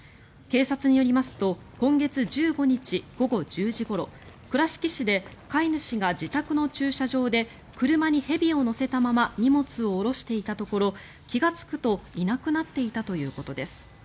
警察によりますと今月１５日午後１０時ごろ倉敷市で飼い主が自宅の駐車場で車に蛇を乗せたまま荷物を下ろしていたところ気がつくと、いなくなっていたということです。